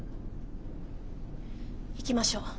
行きましょう。